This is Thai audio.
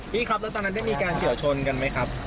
พี่ครับแล้วตอนนั้นได้มีการเฉียวชนกันไหมครับ